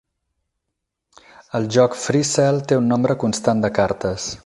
El joc FreeCell té un nombre constant de cartes.